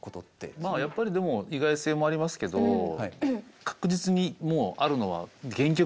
まあやっぱりでも意外性もありますけど確実にあるのは原曲をリスペクトで。